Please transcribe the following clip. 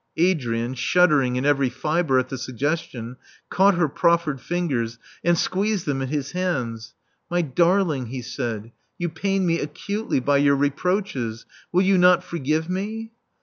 Adrian, shuddering in every fibre at the suggestion, caught her proffered fingers and squeezed them in his hands. My darling," he said: "you pain me acutely by your reproaches. Will you not forgive me?"